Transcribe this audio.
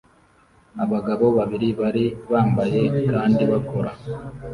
Abagabo babiri bari bambaye kandi bakora